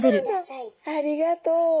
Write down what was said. ありがとう。